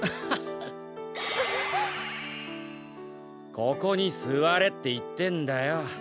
ここにすわれっていってんだよ。